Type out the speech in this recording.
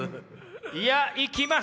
いやいきます！